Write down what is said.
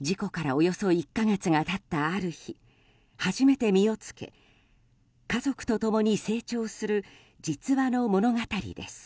事故からおよそ１か月が経ったある日、初めて実をつけ家族と共に成長する実話の物語です。